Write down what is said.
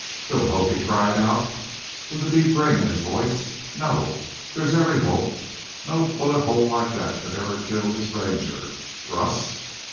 "Little hope?" he cried out, with the deep ring in his voice. "No! There's every hope. No bullet hole like that could ever kill this Ranger. Russ!"